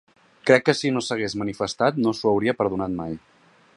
Crec que si no s’hagués manifestat no s’ho hauria perdonat mai.